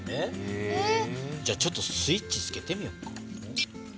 じゃちょっとスイッチつけてみよっか。